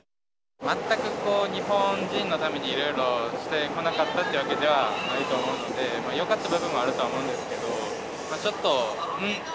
全く日本人のためにいろいろしてこなかったってわけではないと思うので、よかった部分もあるとは思うんですけど、ちょっとうん？って